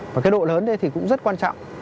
và cái độ lớn đây thì cũng rất quan trọng